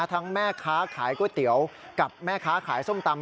แม่ค้าขายก๋วยเตี๋ยวกับแม่ค้าขายส้มตำ